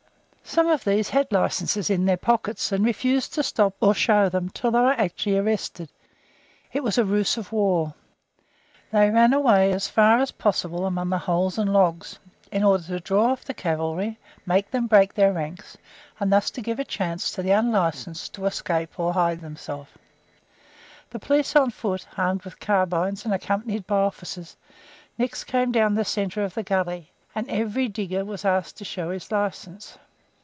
Some of these had licenses in their pockets, and refused to stop or show them until they were actually arrested. It was a ruse of war. They ran away as far as possible among the holes and logs, in order to draw off the cavalry, make them break their ranks, and thus to give a chance to the unlicensed to escape or to hide themselves. The police on foot, armed with carbines and accompanied by officers, next came down the centre of the gully, and every digger was asked to show his license.